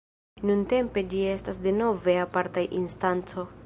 Nuntempe ĝi estas denove aparta instanco.